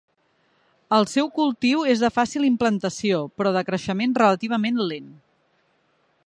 El seu cultiu és de fàcil implantació però de creixement relativament lent.